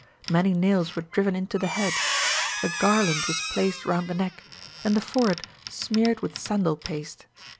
Many nails were driven into the head, a garland was placed round the neck, and the forehead smeared with sandal paste.